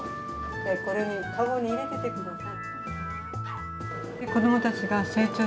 これに、籠に入れておいてください。